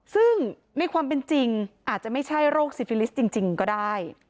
ซึ่งในความเป็นจริงอาจจะไม่ใช่โรคซิฟิลิสต์จริงก็ได้